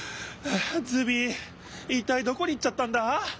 ズビいったいどこに行っちゃったんだ？